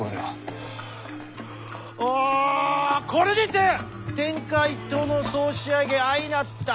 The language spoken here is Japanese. おこれにて天下一統の総仕上げ相成った。